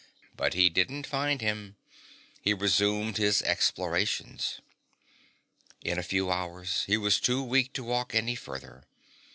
But he didn't find him. He resumed his explorations. In a few hours he was too weak to walk any further.